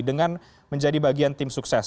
dengan menjadi bagian tim sukses